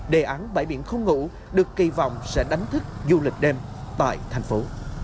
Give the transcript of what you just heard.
đề án bãi biển không ngủ được kỳ vọng sẽ đánh thức du lịch đêm tại thành phố